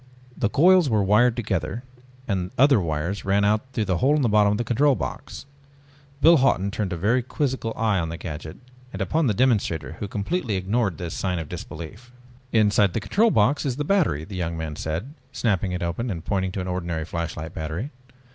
The coils were wired together and other wires ran out through the hole in the bottom of the control box. Biff Hawton turned a very quizzical eye on the gadget and upon the demonstrator who completely ignored this sign of disbelief. "Inside the control box is the battery," the young man said, snapping it open and pointing to an ordinary flashlight battery.